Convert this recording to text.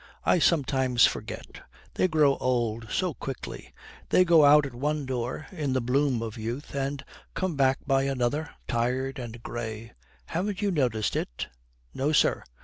I sometimes forget. They grow old so quickly. They go out at one door in the bloom of youth, and come back by another, tired and grey. Haven't you noticed it?' 'No, sir.